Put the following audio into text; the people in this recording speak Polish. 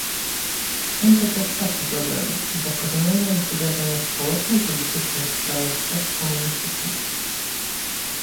Są to powszechne problemy, zakorzenione w wydarzeniach społeczno-politycznych w krajach postkomunistycznych